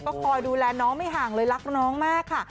ก็คอยดูแลน้องไม่ห่างเลยรักน้องมากค่ะ